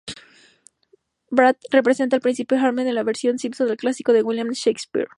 Bart representa al Príncipe Hamlet, en la versión Simpson del clásico de William Shakespeare.